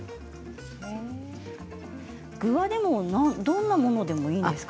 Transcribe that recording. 具はどんなものでもいいんですか？